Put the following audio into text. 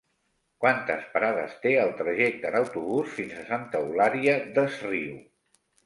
Quantes parades té el trajecte en autobús fins a Santa Eulària des Riu?